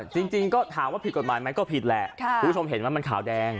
จริงก็ถามว่าผิดกฎหมายไหมก็ผิดแหละคุณผู้ชมเห็นไหมมันขาวแดง